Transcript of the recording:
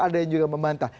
ada yang juga membantah